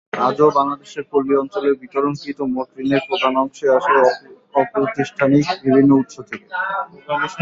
আজও বাংলাদেশের পল্লী অঞ্চলে বিতরণকৃত মোট ঋণের প্রধান অংশই আসে অপ্রাতিষ্ঠানিক বিভিন্ন উৎস থেকে।